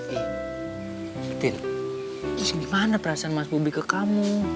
tin terus gimana perasaan mas bobby ke kamu